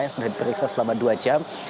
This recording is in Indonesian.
yang sudah diperiksa selama dua jam